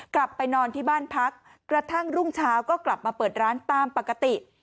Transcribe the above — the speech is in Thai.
กลับไปนอนที่บ้านพักกระทั่งรุ่งเช้าก็กลับมาเปิดร้านตามปกติ